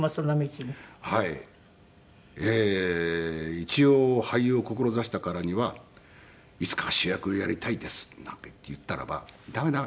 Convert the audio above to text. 「一応俳優を志したからにはいつかは主役をやりたいです」なんかいって言ったらば「駄目駄目。